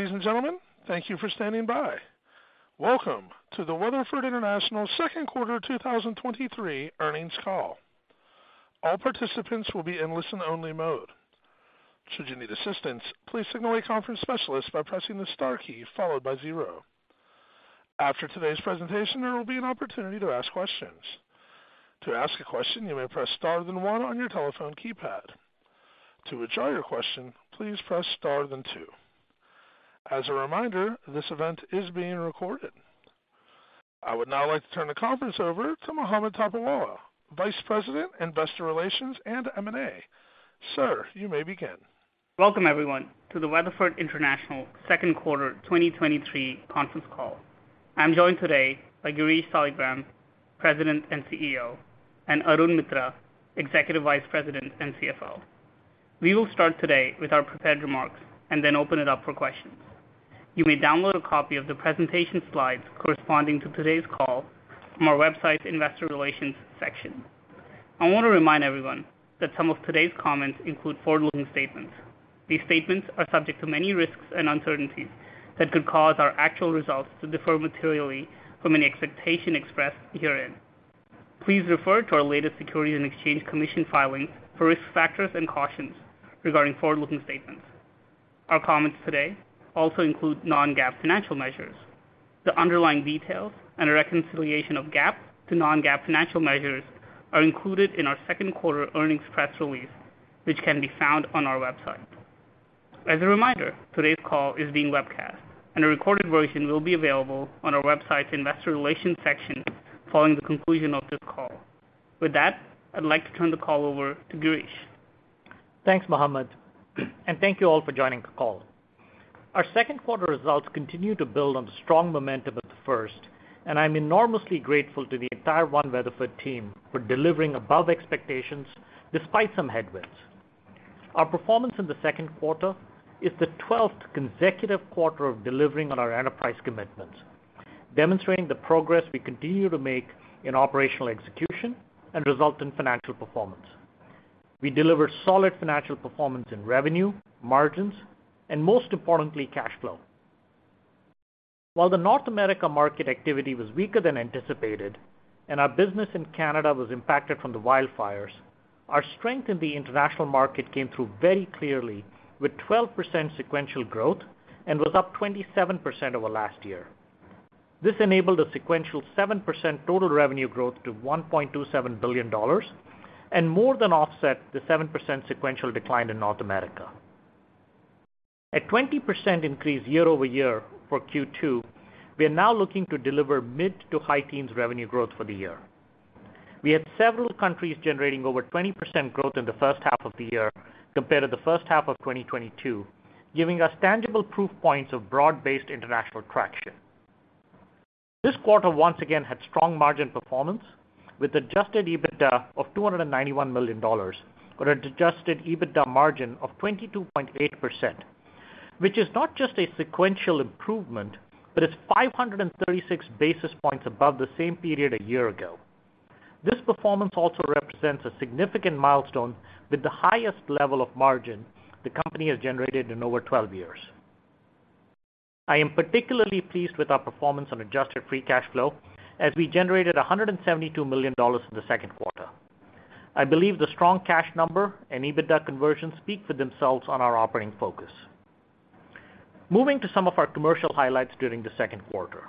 Ladies and gentlemen, thank you for standing by. Welcome to the Weatherford International second quarter 2023 earnings call. All participants will be in listen-only mode. Should you need assistance, please signal a conference specialist by pressing the star key followed by zero. After today's presentation, there will be an opportunity to ask questions. To ask a question, you may press Star then one on your telephone keypad. To withdraw your question, please press Star then two. As a reminder, this event is being recorded. I would now like to turn the conference over to Mohammed Topiwala, Vice President, Investor Relations, and M&A. Sir, you may begin. Welcome everyone to the Weatherford International second quarter 2023 conference call. I'm joined today by Girish Saligram, President and CEO, and Arun Mitra, Executive Vice President and CFO. We will start today with our prepared remarks. Then open it up for questions. You may download a copy of the presentation slides corresponding to today's call from our website's Investor Relations section. I want to remind everyone that some of today's comments include forward-looking statements. These statements are subject to many risks and uncertainties that could cause our actual results to differ materially from any expectation expressed herein. Please refer to our latest Securities and Exchange Commission filing for risk factors and cautions regarding forward-looking statements. Our comments today also include non-GAAP financial measures. The underlying details and a reconciliation of GAAP to non-GAAP financial measures are included in our second quarter earnings press release, which can be found on our website. As a reminder, today's call is being webcast, and a recorded version will be available on our website's Investor Relations section following the conclusion of this call. With that, I'd like to turn the call over to Girish. Thanks, Mohammed, and thank you all for joining the call. Our second quarter results continue to build on the strong momentum of the first, and I'm enormously grateful to the entire One Weatherford team for delivering above expectations despite some headwinds. Our performance in the second quarter is the 12th consecutive quarter of delivering on our enterprise commitments, demonstrating the progress we continue to make in operational execution and result in financial performance. We delivered solid financial performance in revenue, margins, and most importantly, cash flow. While the North America market activity was weaker than anticipated and our business in Canada was impacted from the wildfires, our strength in the international market came through very clearly, with 12% sequential growth and was up 27% over last year. This enabled a sequential 7% total revenue growth to $1.27 billion. More than offset the 7% sequential decline in North America. At 20% increase year-over-year for Q2, we are now looking to deliver mid-to-high teens revenue growth for the year. We had several countries generating over 20% growth in the first half of the year compared to the first half of 2022, giving us tangible proof points of broad-based international traction. This quarter once again had strong margin performance, with adjusted EBITDA of $291 million on adjusted EBITDA margin of 22.8%, which is not just a sequential improvement, but it's 536 basis points above the same period a year ago. This performance also represents a significant milestone with the highest level of margin the company has generated in over 12 years. I am particularly pleased with our performance on adjusted free cash flow, as we generated $172 million in the second quarter. I believe the strong cash number and EBITDA conversions speak for themselves on our operating focus. Moving to some of our commercial highlights during the second quarter.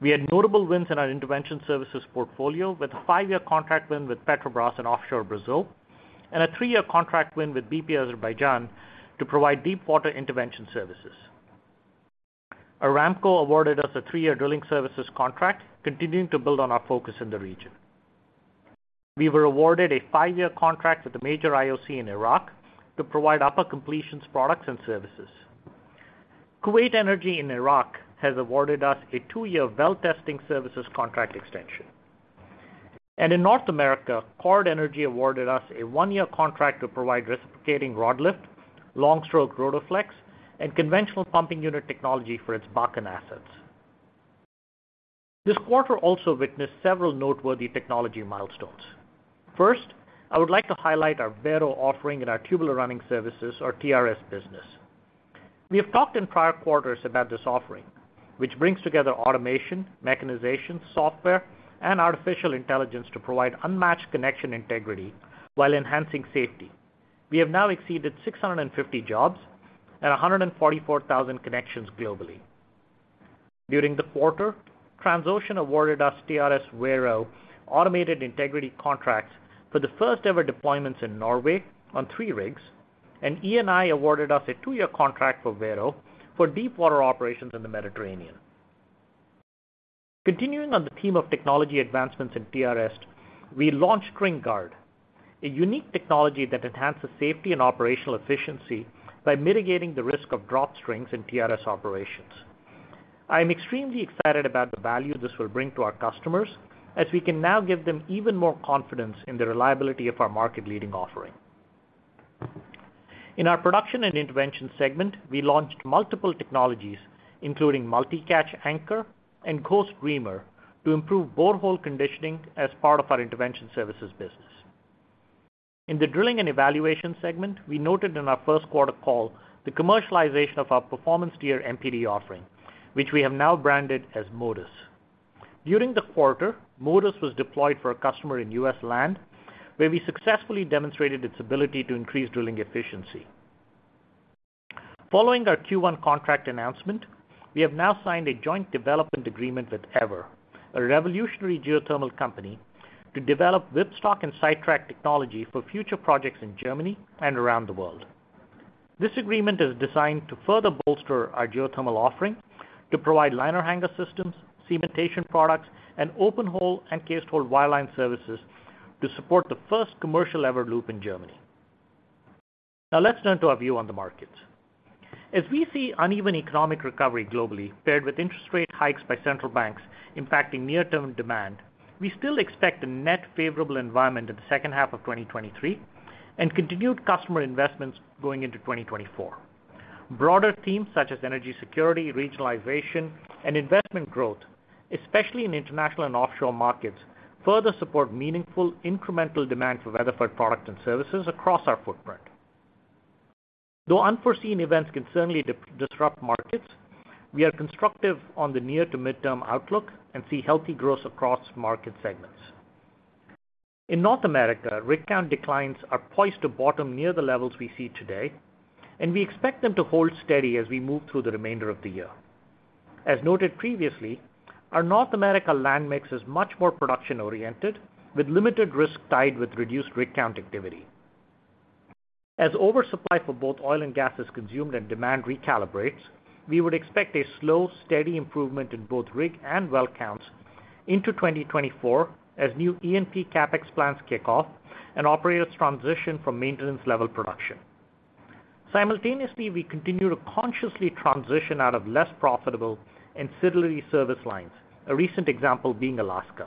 We had notable wins in our intervention services portfolio, with a five-year contract win with Petrobras in offshore Brazil and a three-year contract win with bp Azerbaijan to provide deep water intervention services. Aramco awarded us a three-year drilling services contract, continuing to build on our focus in the region. We were awarded a five-year contract with the major IOC in Iraq to provide upper completions products and services. Kuwait Energy in Iraq has awarded us a two-year well testing services contract extension. In North America, Chord Energy awarded us a one-year contract to provide reciprocating rod lift, long-stroke Rotaflex, and conventional pumping unit technology for its Bakken assets. This quarter also witnessed several noteworthy technology milestones. First, I would like to highlight our Vero offering in our tubular running services or TRS business. We have talked in prior quarters about this offering, which brings together automation, mechanization, software, and artificial intelligence to provide unmatched connection integrity while enhancing safety. We have now exceeded 650 jobs and 144,000 connections globally. During the quarter, Transocean awarded us TRS Vero automated integrity contracts for the first-ever deployments in Norway on three rigs, Eni awarded us a two-year contract for Vero for deep water operations in the Mediterranean. Continuing on the theme of technology advancements in TRS, we launched StringGuard, a unique technology that enhances safety and operational efficiency by mitigating the risk of drop strings in TRS operations. I am extremely excited about the value this will bring to our customers, as we can now give them even more confidence in the reliability of our market-leading offering. In our production and intervention segment, we launched multiple technologies, including MultiCatch Anchor and K-SET Reamer, to improve borehole conditioning as part of our intervention services business. In the Drilling and Evaluation segment, we noted in our first quarter call the commercialization of our performance tier MPD offering, which we have now branded as Modus. During the quarter, Modus was deployed for a customer in U.S. land, where we successfully demonstrated its ability to increase drilling efficiency. Following our Q1 contract announcement, we have now signed a joint development agreement with Eavor, a revolutionary geothermal company, to develop whipstock and sidetrack technology for future projects in Germany and around the world. This agreement is designed to further bolster our geothermal offering, to provide liner hanger systems, cementation products, and open hole and cased hole wireline services to support the first commercial Eavor-Loop in Germany. Let's turn to our view on the markets. We see uneven economic recovery globally, paired with interest rate hikes by central banks impacting near-term demand, we still expect a net favorable environment in the second half of 2023, and continued customer investments going into 2024. Broader themes such as energy security, regionalization, and investment growth, especially in international and offshore markets, further support meaningful incremental demand for Weatherford products and services across our footprint. Though unforeseen events can certainly disrupt markets, we are constructive on the near to mid-term outlook and see healthy growth across market segments. In North America, rig count declines are poised to bottom near the levels we see today, and we expect them to hold steady as we move through the remainder of the year. As noted previously, our North America land mix is much more production-oriented, with limited risk tied with reduced rig count activity. As oversupply for both oil and gas is consumed and demand recalibrates, we would expect a slow, steady improvement in both rig and well counts into 2024 as new E&P CapEx plans kick off and operators transition from maintenance-level production. Simultaneously, we continue to consciously transition out of less profitable and ancillary service lines, a recent example being Alaska.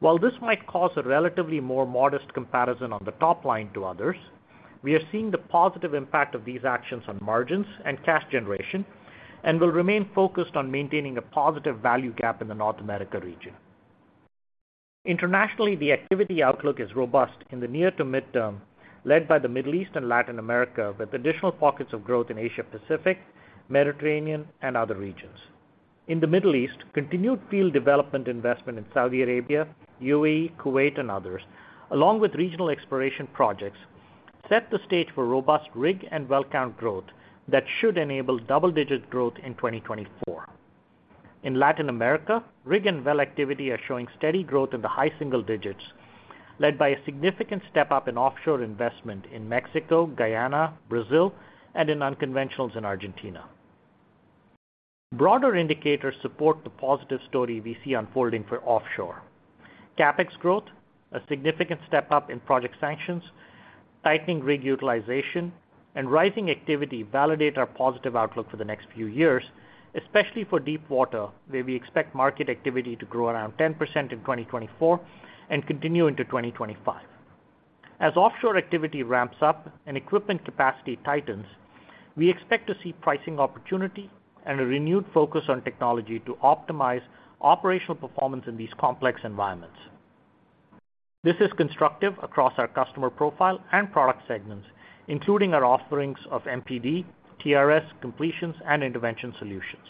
While this might cause a relatively more modest comparison on the top line to others, we are seeing the positive impact of these actions on margins and cash generation and will remain focused on maintaining a positive value gap in the North America region. Internationally, the activity outlook is robust in the near to mid-term, led by the Middle East and Latin America, with additional pockets of growth in Asia Pacific, Mediterranean, and other regions. In the Middle East, continued field development investment in Saudi Arabia, UAE, Kuwait, and others, along with regional exploration projects, set the stage for robust rig and well count growth that should enable double-digit growth in 2024. In Latin America, rig and well activity are showing steady growth in the high single digits, led by a significant step-up in offshore investment in Mexico, Guyana, Brazil, and in unconventionals in Argentina. Broader indicators support the positive story we see unfolding for offshore. CapEx growth, a significant step-up in project sanctions, tightening rig utilization, and rising activity validate our positive outlook for the next few years, especially for deep water, where we expect market activity to grow around 10% in 2024 and continue into 2025. As offshore activity ramps up and equipment capacity tightens, we expect to see pricing opportunity and a renewed focus on technology to optimize operational performance in these complex environments. This is constructive across our customer profile and product segments, including our offerings of MPD, TRS, completions, and intervention solutions.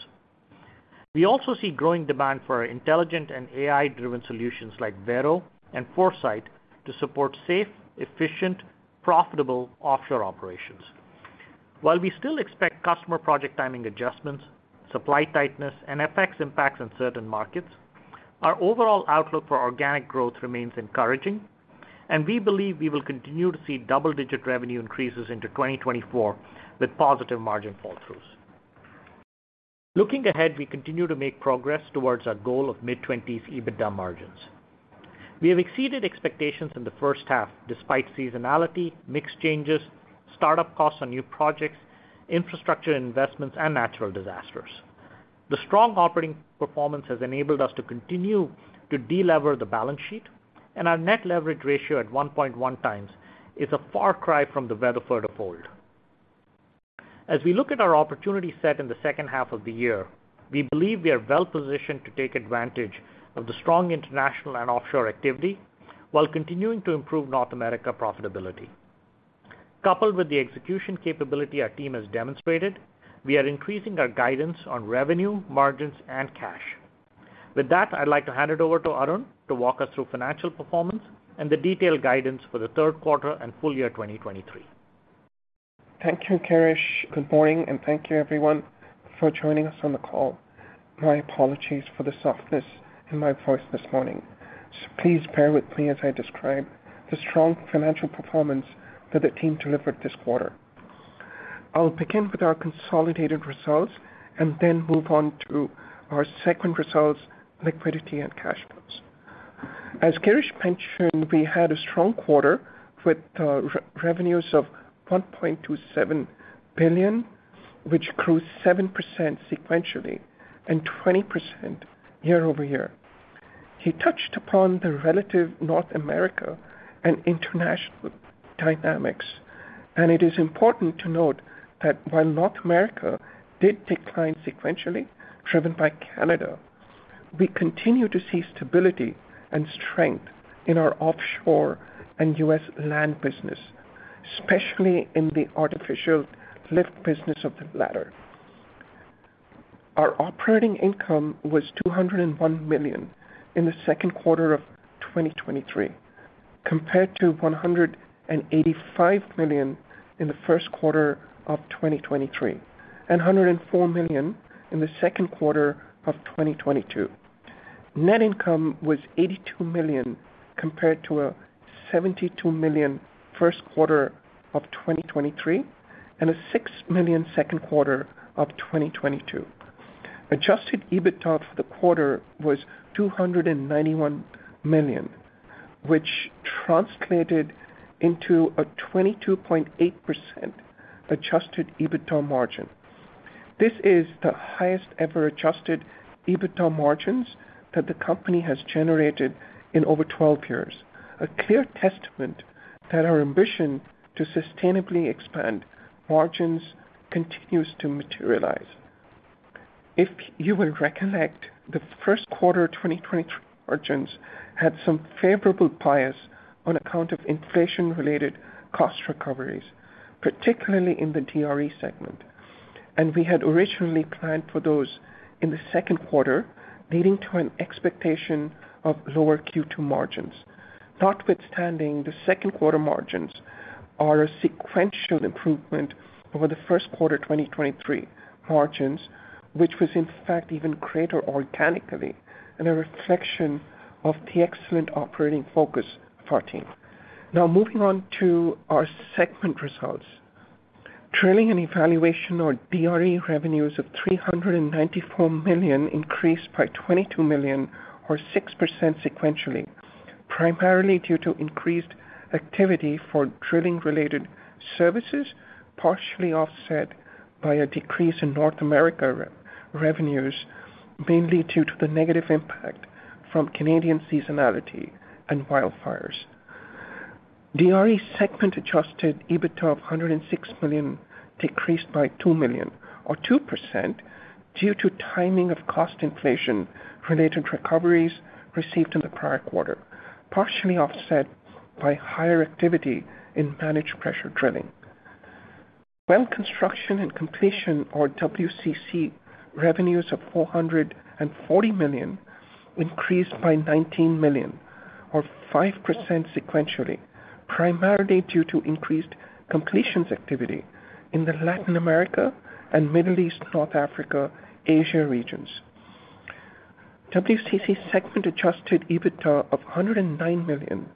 We also see growing demand for our intelligent and AI-driven solutions like Vero and ForeSite to support safe, efficient, profitable offshore operations. While we still expect customer project timing adjustments, supply tightness, and FX impacts in certain markets, our overall outlook for organic growth remains encouraging, and we believe we will continue to see double-digit revenue increases into 2024 with positive margin fall-throughs. Looking ahead, we continue to make progress towards our goal of mid-twenties EBITDA margins. We have exceeded expectations in the first half, despite seasonality, mix changes, startup costs on new projects, infrastructure investments, and natural disasters. The strong operating performance has enabled us to continue to delever the balance sheet, and our net leverage ratio at 1.1x is a far cry from the Weatherford of old. As we look at our opportunity set in the second half of the year, we believe we are well positioned to take advantage of the strong international and offshore activity while continuing to improve North America profitability. Coupled with the execution capability our team has demonstrated, we are increasing our guidance on revenue, margins, and cash. With that, I'd like to hand it over to Arun to walk us through financial performance and the detailed guidance for the third quarter and full year 2023. Thank you, Girish. Good morning. Thank you everyone for joining us on the call. My apologies for the softness in my voice this morning. Please bear with me as I describe the strong financial performance that the team delivered this quarter. I'll begin with our consolidated results. Then move on to our second results, liquidity and cash flows. As Girish mentioned, we had a strong quarter with revenues of $1.27 billion, which grew 7% sequentially and 20% year-over-year. He touched upon the relative North America and international dynamics. It is important to note that while North America did decline sequentially, driven by Canada. We continue to see stability and strength in our offshore and U.S. land business, especially in the artificial lift business of the latter. Our operating income was $201 million in the second quarter of 2023, compared to $185 million in the first quarter of 2023, and $104 million in the second quarter of 2022. Net income was $82 million, compared to a $72 million first quarter of 2023, and a $6 million second quarter of 2022. Adjusted EBITDA for the quarter was $291 million, which translated into a 22.8% adjusted EBITDA margin. This is the highest ever adjusted EBITDA margins that the company has generated in over 12 years, a clear testament that our ambition to sustainably expand margins continues to materialize. If you will recollect, the first quarter 2023 margins had some favorable bias on account of inflation-related cost recoveries, particularly in the DRE segment, and we had originally planned for those in the second quarter, leading to an expectation of lower Q2 margins. Notwithstanding, the second quarter margins are a sequential improvement over the first quarter 2023 margins, which was in fact even greater organically and a reflection of the excellent operating focus of our team. Now, moving on to our segment results. Drilling and Evaluation, or DRE, revenues of $394 million increased by $22 million or 6% sequentially, primarily due to increased activity for drilling-related services, partially offset by a decrease in North America DRE revenues, mainly due to the negative impact from Canadian seasonality and wildfires. DRE segment adjusted EBITDA of $106 million decreased by $2 million, or 2%, due to timing of cost inflation-related recoveries received in the prior quarter, partially offset by higher activity in managed pressure drilling. Well construction and completion, or WCC, revenues of $440 million increased by $19 million, or 5% sequentially, primarily due to increased completions activity in the Latin America and Middle East, North Africa, Asia regions. WCC segment adjusted EBITDA of $109 million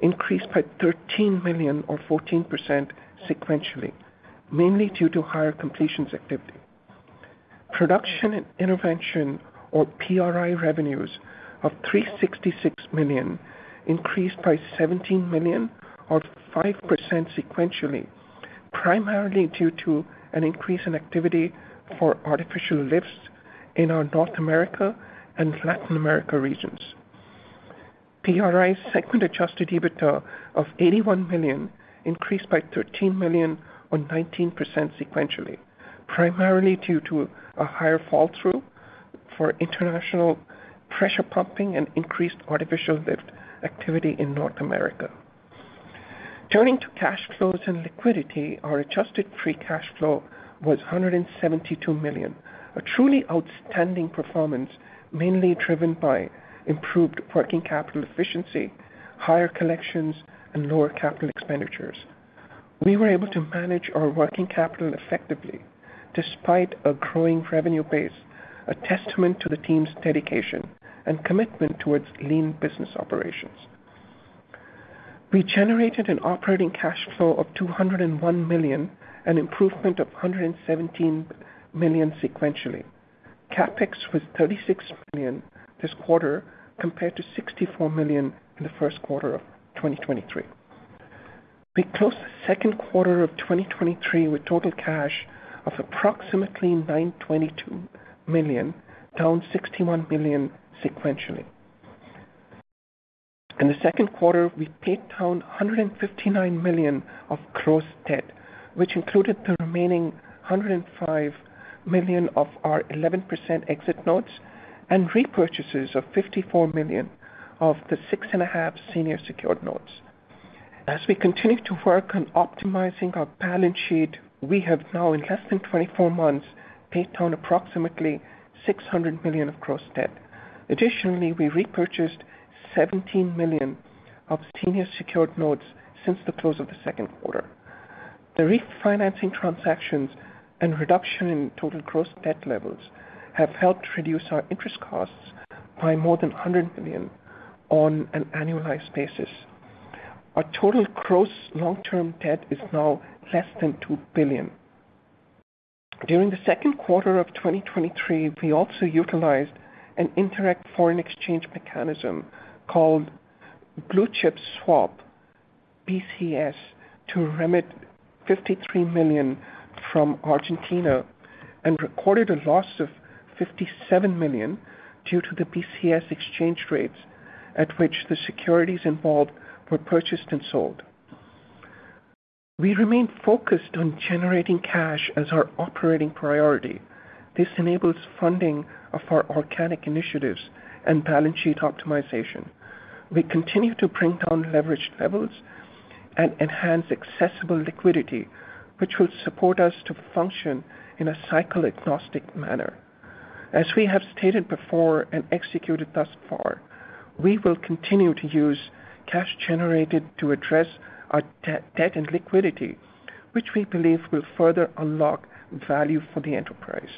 increased by $13 million or 14% sequentially, mainly due to higher completions activity. Production and intervention, or PRI, revenues of $366 million increased by $17 million or 5% sequentially, primarily due to an increase in activity for artificial lifts in our North America and Latin America regions. PRI's segment adjusted EBITDA of $81 million increased by $13 million, or 19% sequentially, primarily due to a higher fall through for international pressure pumping and increased artificial lift activity in North America. Turning to cash flows and liquidity, our adjusted free cash flow was $172 million, a truly outstanding performance, mainly driven by improved working capital efficiency, higher collections, and lower capital expenditures. We were able to manage our working capital effectively despite a growing revenue base, a testament to the team's dedication and commitment towards lean business operations. We generated an operating cash flow of $201 million, an improvement of $117 million sequentially. CapEx was $36 million this quarter, compared to $64 million in the first quarter of 2023. We closed the second quarter of 2023 with total cash of approximately $922 million, down $61 million sequentially. In the second quarter, we paid down $159 million of gross debt, which included the remaining $105 million of our 11% Exit Notes and repurchases of $54 million of the 6.5% Senior Secured Notes. As we continue to work on optimizing our balance sheet, we have now, in less than 24 months, paid down approximately $600 million of gross debt. Additionally, we repurchased $17 million of Senior Secured Notes since the close of the second quarter. The refinancing transactions and reduction in total gross debt levels have helped reduce our interest costs by more than $100 million on an annualized basis. Our total gross long-term debt is now less than $2 billion. During the second quarter of 2023, we also utilized an indirect foreign exchange mechanism called Blue Chip Swap, BCS, to remit $53 million from Argentina and recorded a loss of $57 million due to the BCS exchange rates at which the securities involved were purchased and sold. We remain focused on generating cash as our operating priority. This enables funding of our organic initiatives and balance sheet optimization. We continue to bring down leverage levels and enhance accessible liquidity, which will support us to function in a cycle-agnostic manner. As we have stated before and executed thus far, we will continue to use cash generated to address our debt and liquidity, which we believe will further unlock value for the enterprise.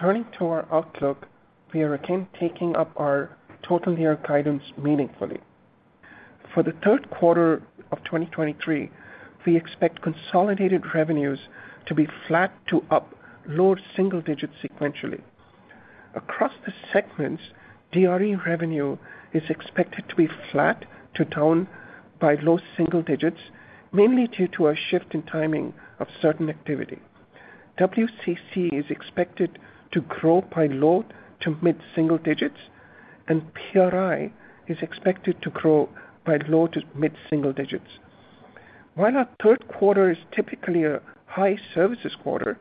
Turning to our outlook, we are again taking up our total year guidance meaningfully. For the third quarter of 2023, we expect consolidated revenues to be flat-to-up, low single digits sequentially. Across the segments, DRE revenue is expected to be flat-to-down by low single digits, mainly due to a shift in timing of certain activity. WCC is expected to grow by low to mid-single digits. PRI is expected to grow by low to mid-single digits. While our third quarter is typically a high services quarter,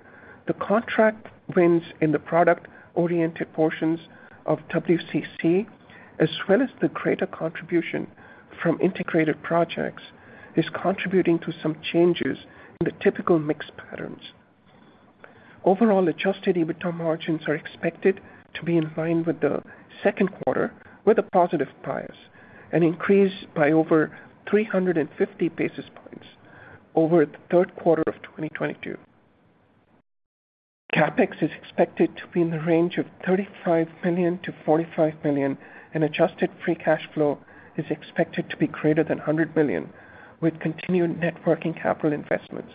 the contract wins in the product-oriented portions of WCC, as well as the greater contribution from integrated projects, is contributing to some changes in the typical mix patterns. Overall, adjusted EBITDA margins are expected to be in line with the second quarter, with a positive bias, increase by over 350 basis points over the third quarter of 2022. CapEx is expected to be in the range of $35 million-$45 million. Adjusted free cash flow is expected to greater than $100 million with continued networking capital investments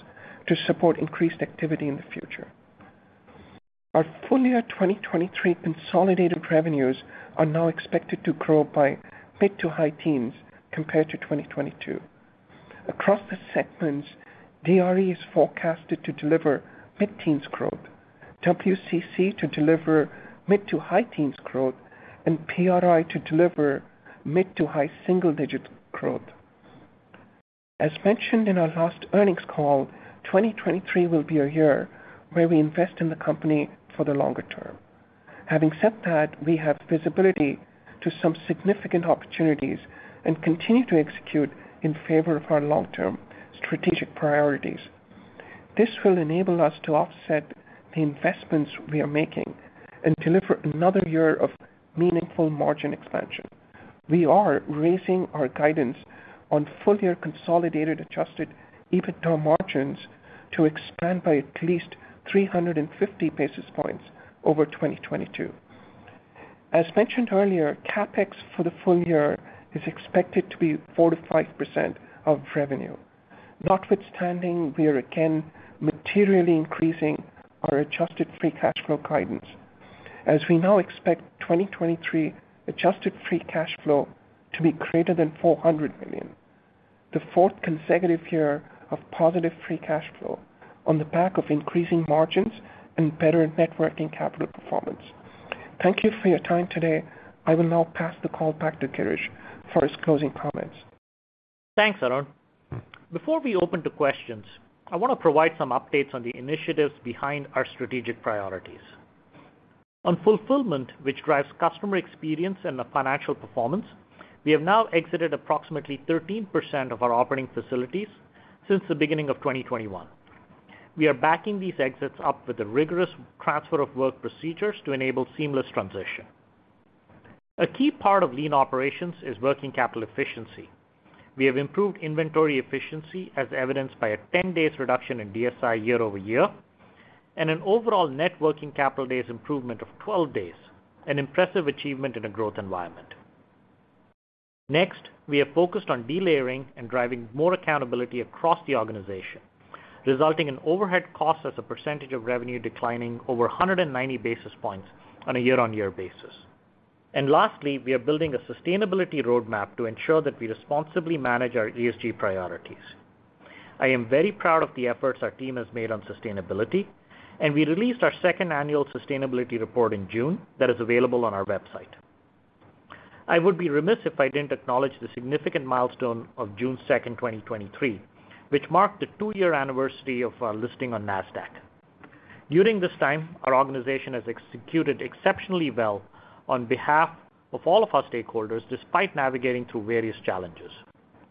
to support increased activity the future. Our full year 2023 consolidated revenues are now expected to grow by mid-to-high teens compared to 2022. Across the segments, DRE is forecasted to deliver mid-teens growth, WCC to deliver mid-to-high teens growth, PRI to deliver mid-to-high single-digit growth. As mentioned in our last earnings call, 2023 will be a year where we invest in the company for the longer term. Having said that, we have visibility to some significant opportunities and continue to execute in favor of our long-term strategic priorities. This will enable us to offset the investments we are making and deliver another year of meaningful margin expansion. We are raising our guidance on full-year consolidated adjusted EBITDA margins to expand by at least 350 basis points over 2022. As mentioned earlier, CapEx for the full year is expected to be 4%-5% of revenue. Notwithstanding, we are again materially increasing our adjusted free cash flow guidance, as we now expect 2023 adjusted free cash flow to be greater than $400 million, the fourth consecutive year of positive free cash flow on the back of increasing margins and better networking capital performance. Thank you for your time today. I will now pass the call back to Girish for his closing comments. Thanks, Arun. Before we open to questions, I want to provide some updates on the initiatives behind our strategic priorities. On fulfillment, which drives customer experience and the financial performance, we have now exited approximately 13% of our operating facilities since the beginning of 2021. We are backing these exits up with a rigorous transfer of work procedures to enable seamless transition. A key part of lean operations is working capital efficiency. We have improved inventory efficiency, as evidenced by a 10 days reduction in DSI year-over-year, and an overall networking capital days improvement of 12 days, an impressive achievement in a growth environment. We are focused on delayering and driving more accountability across the organization, resulting in overhead costs as a percentage of revenue declining over 190 basis points on a year-on-year basis. Lastly, we are building a sustainability roadmap to ensure that we responsibly manage our ESG priorities. I am very proud of the efforts our team has made on sustainability, and we released our second annual sustainability report in June that is available on our website. I would be remiss if I didn't acknowledge the significant milestone of June 2nd, 2023, which marked the two-year anniversary of our listing on Nasdaq. During this time, our organization has executed exceptionally well on behalf of all of our stakeholders, despite navigating through various challenges.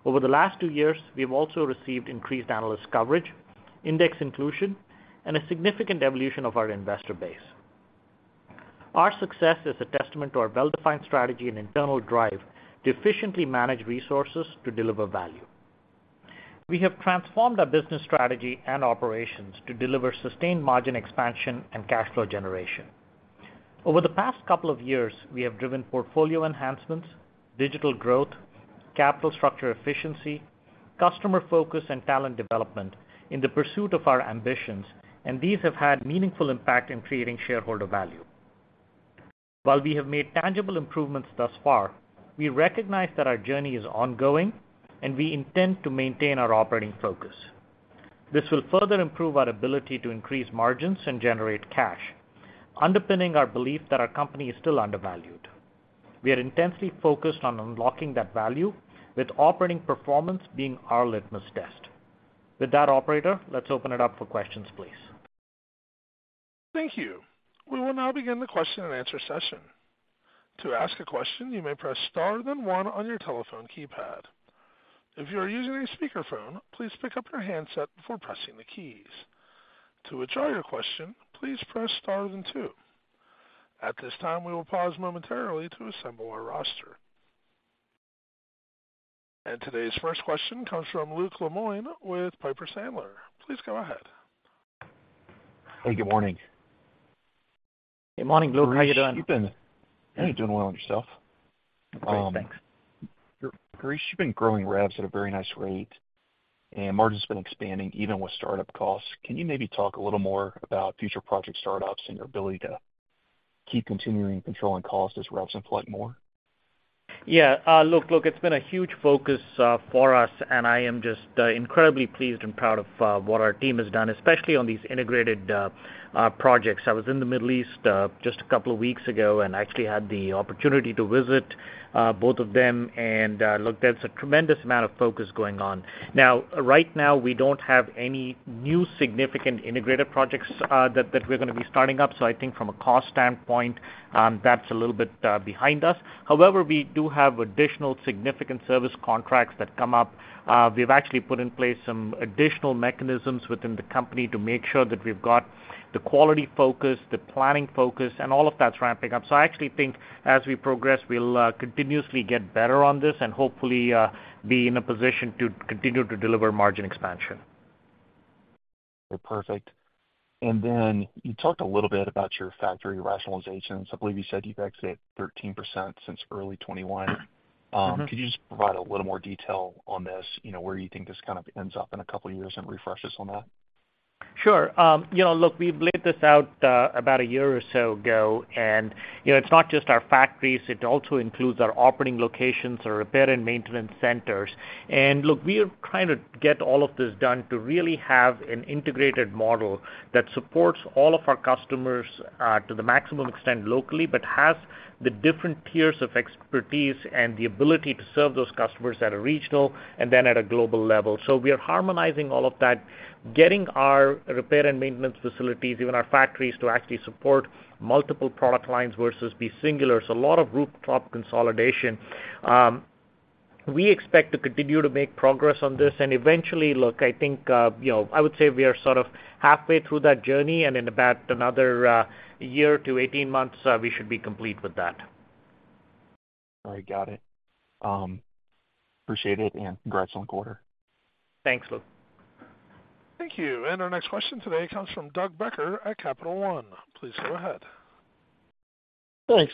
Over the last two years, we have also received increased analyst coverage, index inclusion, and a significant evolution of our investor base. Our success is a testament to our well-defined strategy and internal drive to efficiently manage resources to deliver value. We have transformed our business strategy and operations to deliver sustained margin expansion and cash flow generation. Over the past couple of years, we have driven portfolio enhancements, digital growth, capital structure efficiency, customer focus, and talent development in the pursuit of our ambitions, and these have had meaningful impact in creating shareholder value. While we have made tangible improvements thus far, we recognize that our journey is ongoing, and we intend to maintain our operating focus. This will further improve our ability to increase margins and generate cash, underpinning our belief that our company is still undervalued. We are intensely focused on unlocking that value, with operating performance being our litmus test. With that, operator, let's open it up for questions, please. Thank you. We will now begin the question-and-answer session. To ask a question, you may press Star, then one on your telephone keypad. If you are using a speakerphone, please pick up your handset before pressing the keys. To withdraw your question, please press Star then two. At this time, we will pause momentarily to assemble our roster. Today's first question comes from Luke Lemoine with Piper Sandler. Please go ahead. Hey, good morning. Good morning, Luke. How you doing? You're doing well yourself. Great. Thanks. Girish, you've been growing revs at a very nice rate, and margins been expanding even with startup costs. Can you maybe talk a little more about future project startups and your ability to keep continuing controlling costs as revs inflict more? Look, it's been a huge focus for us, and I am just incredibly pleased and proud of what our team has done, especially on these integrated projects. I was in the Middle East just two weeks ago, actually had the opportunity to visit both of them, look, there's a tremendous amount of focus going on. Right now, we don't have any new significant integrated projects that we're gonna be starting up, so I think from a cost standpoint, that's a little bit behind us. We do have additional significant service contracts that come up. We've actually put in place some additional mechanisms within the company to make sure that we've got the quality focus, the planning focus, and all of that's ramping up. I actually think as we progress, we'll continuously get better on this and hopefully be in a position to continue to deliver margin expansion. Perfect. Then you talked a little bit about your factory rationalizations. I believe you said you've exited 13% since early 2021. Mm-hmm. Could you just provide a little more detail on this, you know, where you think this kind of ends up in a couple of years and refresh us on that? Sure. You know, look, we've laid this out, about a year or so ago, you know, it's not just our factories, it also includes our operating locations, our repair and maintenance centers. Look, we are trying to get all of this done to really have an integrated model that supports all of our customers, to the maximum extent locally, but has the different tiers of expertise and the ability to serve those customers at a regional and then at a global level. We are harmonizing all of that, getting our repair and maintenance facilities, even our factories, to actually support multiple product lines versus be singular. A lot of rooftop consolidation. We expect to continue to make progress on this, and eventually, look, I think, you know, I would say we are sort of halfway through that journey, and in about another, year to 18 months, we should be complete with that. All right, got it. Appreciate it, and congrats on the quarter. Thanks, Luke. Thank you. Our next question today comes from Doug Becker at Capital One. Please go ahead. Thanks.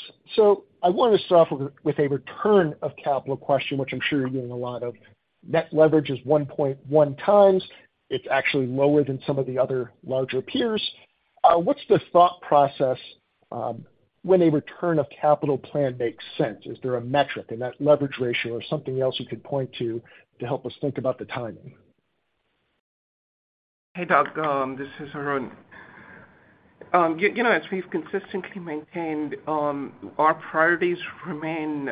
I wanna start off with a return of capital question, which I'm sure you're getting a lot of. Net leverage is 1.1x. It's actually lower than some of the other larger peers. What's the thought process when a return of capital plan makes sense? Is there a metric in that leverage ratio or something else you could point to help us think about the timing? Hey, Doug, this is Arun. You know, as we've consistently maintained, our priorities remain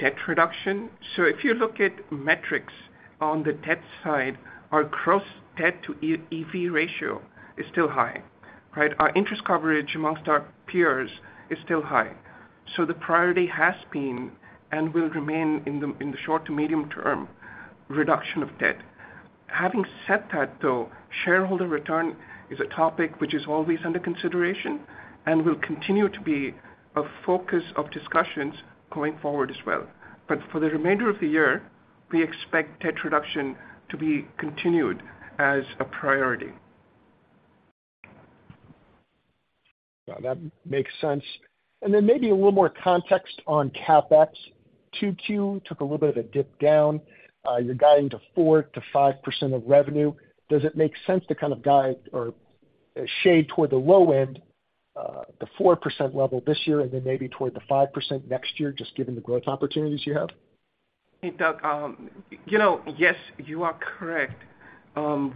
debt reduction. If you look at metrics on the debt side, our gross debt to EV ratio is still high, right? Our interest coverage amongst our peers is still high. The priority has been, and will remain in the, in the short to medium term, reduction of debt. Having said that, though, shareholder return is a topic which is always under consideration and will continue to be a focus of discussions going forward as well. For the remainder of the year, we expect debt reduction to be continued as a priority. That makes sense. Then maybe a little more context on CapEx. Q2 took a little bit of a dip down. You're guiding to 4%-5% of revenue. Does it make sense to kind of guide or shade toward the low-end, the 4% level this year and then maybe toward the 5% next year, just given the growth opportunities you have? Hey, Doug, you know, yes, you are correct.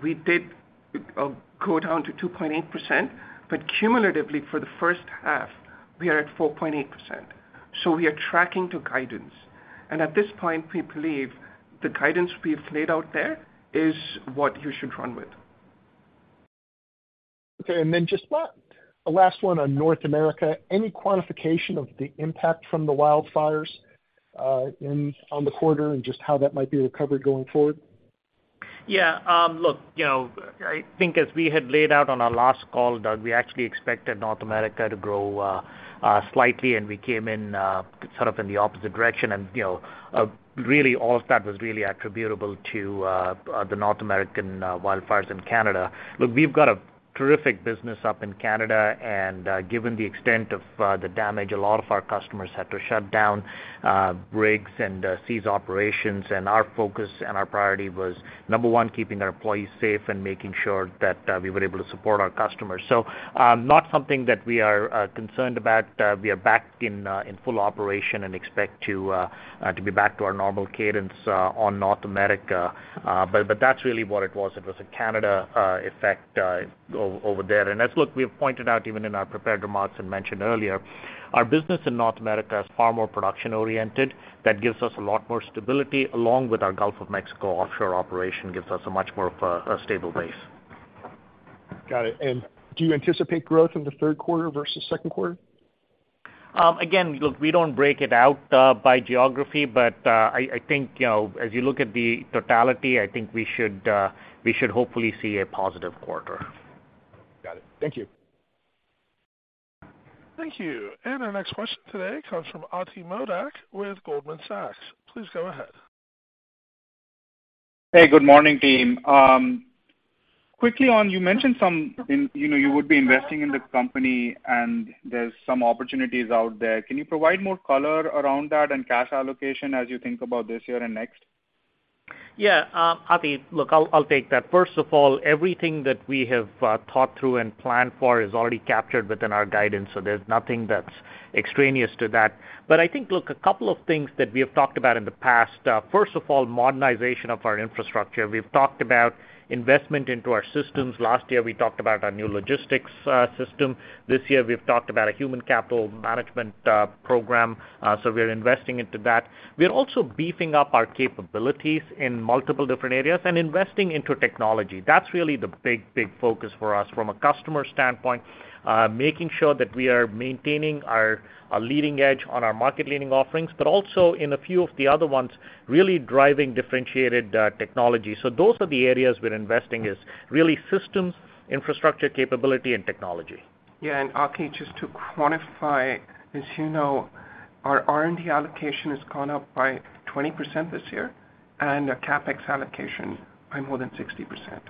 We did go down to 2.8%. Cumulatively, for the first half, we are at 4.8%. We are tracking to guidance. At this point, we believe the guidance we've laid out there is what you should run with. Okay, then just a last one on North America. Any quantification of the impact from the wildfires on the quarter and just how that might be recovered going forward? look, you know, I think as we had laid out on our last call, Doug, we actually expected North America to grow slightly, and we came in sort of in the opposite direction. You know, really, all of that was really attributable to the North American wildfires in Canada. Look, we've got a terrific business up in Canada, and given the extent of the damage, a lot of our customers had to shut down rigs and seize operations, and our focus and our priority was, number one, keeping our employees safe and making sure that we were able to support our customers. Not something that we are concerned about. We are back in full operation and expect to be back to our normal cadence on North America. But that's really what it was. It was a Canada effect over there. As look, we have pointed out, even in our prepared remarks and mentioned earlier, our business in North America is far more production oriented. That gives us a lot more stability, along with our Gulf of Mexico offshore operation, gives us a much more of a stable base. Got it. Do you anticipate growth in the third quarter versus second quarter? Again, look, we don't break it out by geography, but I think, you know, as you look at the totality, I think we should hopefully see a positive quarter. Got it. Thank you. Thank you. Our next question today comes from Ati Modak with Goldman Sachs. Please go ahead. Hey, good morning, team. Quickly on, you mentioned some, you know, you would be investing in the company, and there's some opportunities out there. Can you provide more color around that and cash allocation as you think about this year and next? Ati, look, I'll take that. First of all, everything that we have thought through and planned for is already captured within our guidance, so there's nothing that's extraneous to that. I think, look, a couple of things that we have talked about in the past. First of all, modernization of our infrastructure. We've talked about investment into our systems. Last year, we talked about our new logistics system. This year, we've talked about a human capital management program, so we're investing into that. We're also beefing up our capabilities in multiple different areas and investing into technology. That's really the big focus for us from a customer standpoint, making sure that we are maintaining our leading edge on our market-leading offerings, but also in a few of the other ones, really driving differentiated technology. Those are the areas we're investing is really systems, infrastructure, capability, and technology. Yeah, Ati, just to quantify, as you know, our R&D allocation has gone up by 20% this year and our CapEx allocation by more than 60%.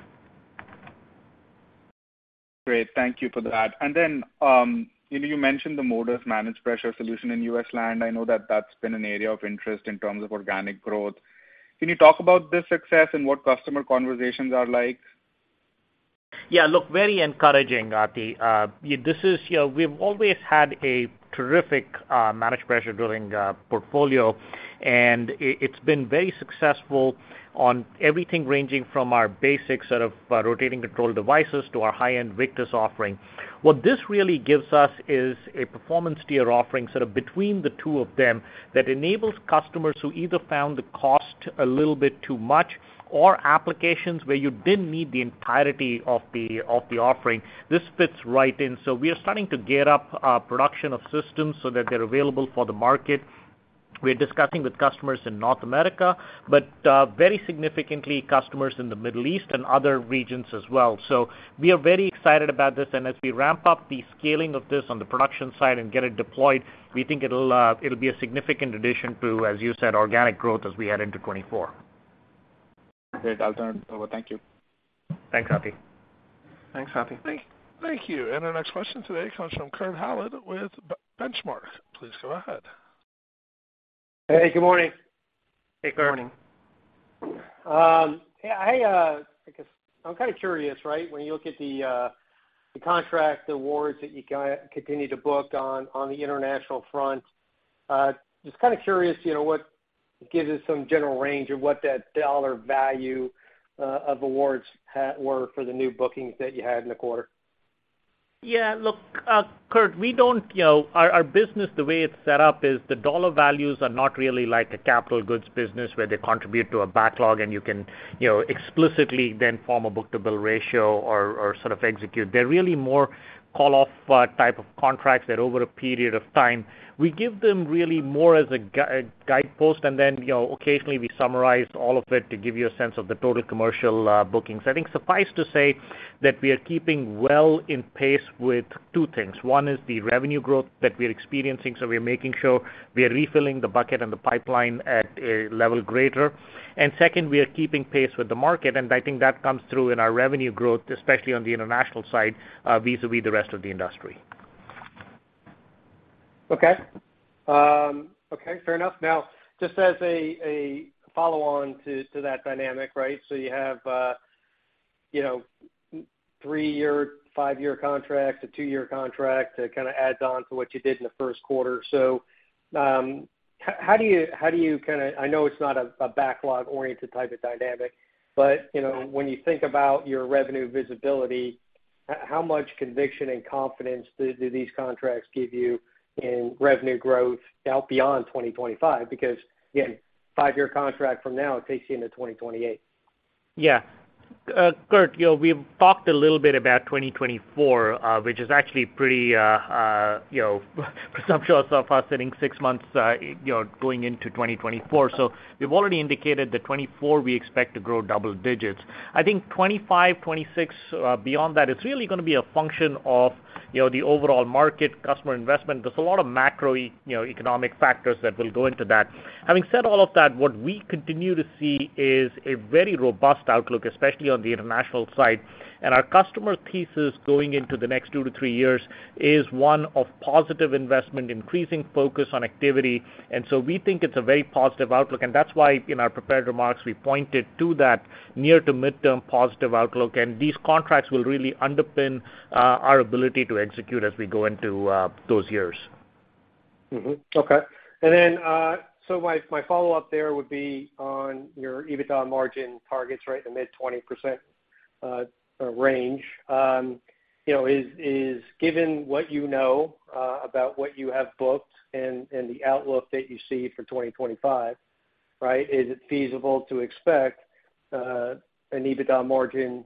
Great. Thank you for that. You know, you mentioned the Modus Managed Pressure Solution in U.S. land. I know that that's been an area of interest in terms of organic growth. Can you talk about this success and what customer conversations are like? Very encouraging, Ati. This is, you know, we've always had a terrific, managed pressure drilling, portfolio, and it's been very successful on everything ranging from our basic set of, rotating control devices to our high-end Victus offering. What this really gives us is a performance tier offering, sort of between the two of them, that enables customers who either found the cost a little bit too much or applications where you didn't need the entirety of the offering. This fits right in. We are starting to gear up production of systems so that they're available for the market. We're discussing with customers in North America, very significantly, customers in the Middle East and other regions as well. We are very excited about this, and as we ramp up the scaling of this on the production side and get it deployed, we think it'll be a significant addition to, as you said, organic growth as we head into 2024. Great. I'll turn it over. Thank you. Thanks, Ati. Thanks, Ati. Thank you. Our next question today comes from Kurt Hallead with Benchmark. Please go ahead. Hey, good morning. Hey, good morning. Hey, I guess I'm kind of curious, right? When you look at the contract awards that you continue to book on the international front, just kind of curious, you know, what gives us some general range of what that dollar value of awards were for the new bookings that you had in the quarter? Look, Kurt, we don't, you know, our business, the way it's set up is the dollar values are not really like a capital goods business, where they contribute to a backlog, and you can, you know, explicitly then form a book-to-bill ratio or sort of execute. They're really more call-off type of contracts that over a period of time, we give them really more as a guidepost, and then, you know, occasionally we summarize all of it to give you a sense of the total commercial bookings. I think suffice to say that we are keeping well in pace with two things. One is the revenue growth that we are experiencing, we are making sure we are refilling the bucket and the pipeline at a level greater. Second, we are keeping pace with the market, and I think that comes through in our revenue growth, especially on the international side, vis-a-vis the rest of the industry. Okay, fair enough. Just as a follow-on to that dynamic, right? You have, you know, three-year, five-year contracts, a two-year contract to kind of adds on to what you did in the first quarter. How do you kinda... I know it's not a backlog-oriented type of dynamic, but, you know, when you think about your revenue visibility, how much conviction and confidence do these contracts give you in revenue growth out beyond 2025? Because, again, five-year contract from now takes you into 2028. Yeah. Kurt, you know, we've talked a little bit about 2024, which is actually pretty, you know, presumptuous of us sitting six months, you know, going into 2024. We've already indicated that 2024, we expect to grow double digits. I think 25, 26, beyond that, it's really gonna be a function of, you know, the overall market, customer investment. There's a lot of you know, economic factors that will go into that. Having said all of that, what we continue to see is a very robust outlook, especially on the international side. Our customer thesis going into the next two to three years is one of positive investment, increasing focus on activity, we think it's a very positive outlook. That's why, in our prepared remarks, we pointed to that near to mid-term positive outlook, and these contracts will really underpin our ability to execute as we go into those years. Okay. Then so my follow-up there would be on your EBITDA margin targets, right? The mid-20% range. You know, is given what you know, about what you have booked and the outlook that you see for 2025, right? Is it feasible to expect an EBITDA margin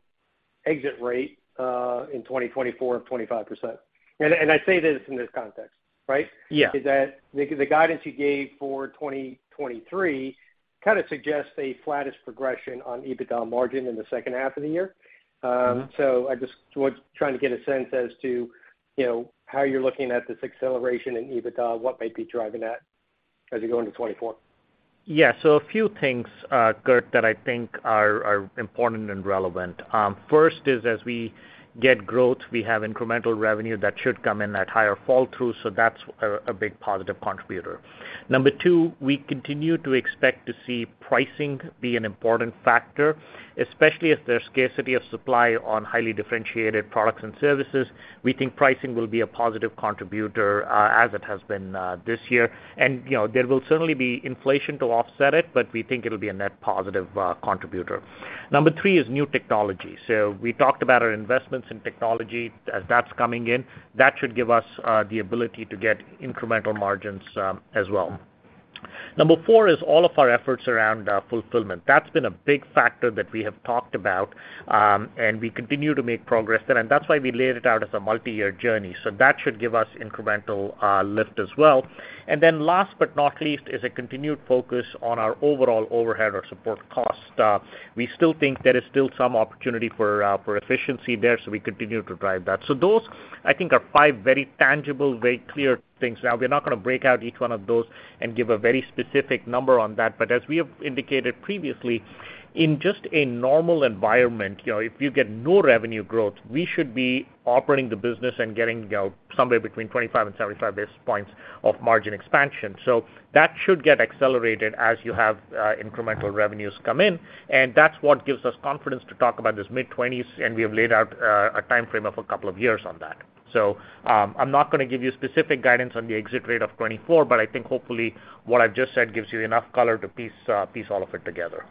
exit rate in 2024 of 25%? I say this in this context, right? Yeah. Is that the guidance you gave for 2023 kind of suggests a flattish progression on EBITDA margin in the second half of the year? Mm-hmm. I just was trying to get a sense as to, you know, how you're looking at this acceleration in EBITDA, what might be driving that as you go into 2024? Yeah. A few things, Kurt, that I think are important and relevant. First is, as we get growth, we have incremental revenue that should come in at higher fall through, so that's a big positive contributor. Number two, we continue to expect to see pricing be an important factor, especially if there's scarcity of supply on highly differentiated products and services. We think pricing will be a positive contributor, as it has been this year. You know, there will certainly be inflation to offset it, but we think it'll be a net positive contributor. Number three is new technology. We talked about our investments in technology. As that's coming in, that should give us the ability to get incremental margins as well. Number four is all of our efforts around fulfillment. That's been a big factor that we have talked about, and we continue to make progress there, and that's why we laid it out as a multiyear journey. That should give us incremental lift as well. Last but not least, is a continued focus on our overall overhead or support costs. We still think there is still some opportunity for efficiency there. We continue to drive that. Those, I think, are five very tangible, very clear things. We're not gonna break out each one of those and give a very specific number on that, but as we have indicated previously, in just a normal environment, you know, if you get no revenue growth, we should be operating the business and getting, you know, somewhere between 25 and 75 basis points of margin expansion. That should get accelerated as you have incremental revenues come in, and that's what gives us confidence to talk about this mid-20s, and we have laid out a timeframe of a couple years on that. I'm not gonna give you specific guidance on the exit rate of 2024, but I think hopefully what I've just said gives you enough color to piece all of it together.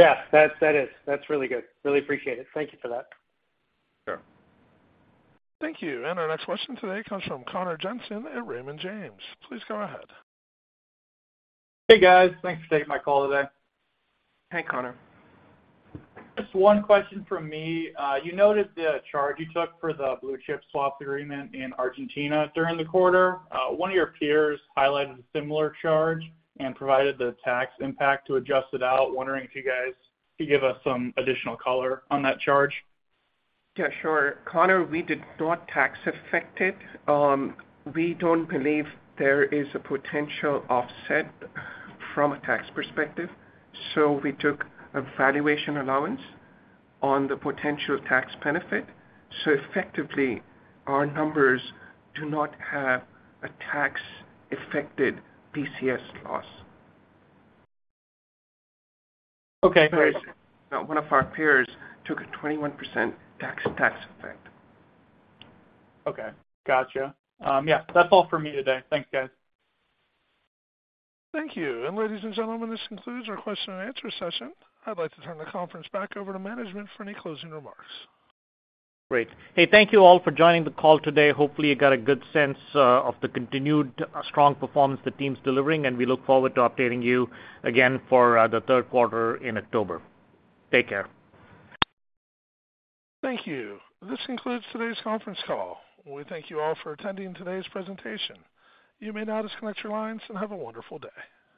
Yeah, that is. That's really good. Really appreciate it. Thank you for that. Sure. Thank you. Our next question today comes from Connor Jensen at Raymond James. Please go ahead. Hey, guys. Thanks for taking my call today. Hey, Connor. Just one question from me. You noted the charge you took for the Blue Chip Swap agreement in Argentina during the quarter. One of your peers highlighted a similar charge and provided the tax impact to adjust it out. Wondering if you guys could give us some additional color on that charge? Yeah, sure. Connor, we did not tax affect it. We don't believe there is a potential offset from a tax perspective. We took a valuation allowance on the potential tax benefit. Effectively, our numbers do not have a tax-affected BCS loss. Okay. One of our peers took a 21% tax effect. Okay. Gotcha. Yeah, that's all for me today. Thank you, guys. Thank you. Ladies and gentlemen, this concludes our question-and-answer session. I'd like to turn the conference back over to management for any closing remarks. Great. Hey, thank you all for joining the call today. Hopefully, you got a good sense of the continued strong performance the team's delivering. We look forward to updating you again for the third quarter in October. Take care. Thank you. This concludes today's conference call. We thank you all for attending today's presentation. You may now disconnect your lines and have a wonderful day.